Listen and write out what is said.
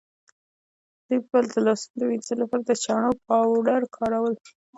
دوی به د لاسونو د وینځلو لپاره د چنو پاوډر کارول.